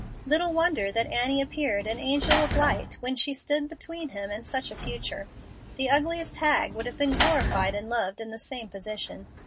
Little wonder that Annie appeared an angel of light when she stood between him and such a future. The ugliest hag would have been glorified and loved in the same position.